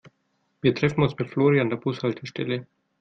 Wir treffen uns mit Flori an der Bushaltestelle.